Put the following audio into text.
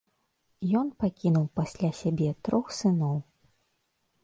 Ён пакінуў пасля сябе трох сыноў.